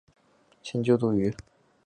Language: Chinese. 现就读于。